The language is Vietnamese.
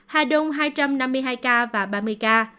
hà đông hai trăm năm mươi hai ca và ba mươi ca